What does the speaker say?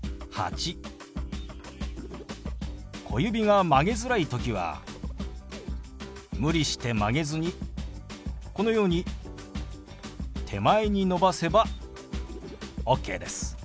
小指が曲げづらい時は無理して曲げずにこのように手前に伸ばせばオッケーです。